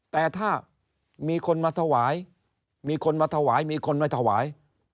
แต่ถ้ามีคนมาถวายมีคนมาถวายมีคนมาถวาย